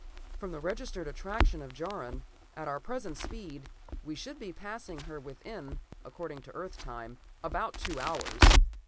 From the registered attraction of Jaron, at our present speed, we should be passing her within, according to Earth time, about two hours.